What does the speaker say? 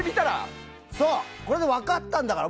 これで分かったんだから。